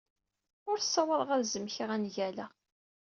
Ur ssawḍeɣ ad zemkeɣ angal-a.